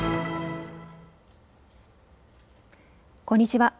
こんにちは。